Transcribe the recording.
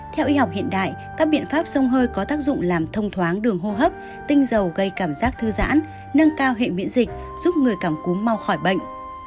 theo y học hiện đại các biện pháp sông hơi có tác dụng làm thông thoáng đường hô hấp tinh dầu gây cảm giác thư giãn nâng cao hệ miễn dịch giúp người cảm cúm mau khỏi bệnh